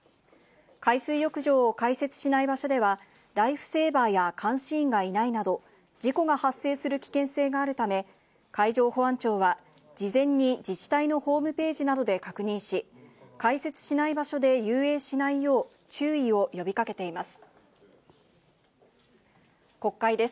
海水浴場を開設しない場所では、ライフセーバーや監視員がいないなど、事故が発生する危険性があるため、海上保安庁は、事前に自治体のホームページなどで確認し、開設しない場所で遊泳しないよう、注意を呼びかけています。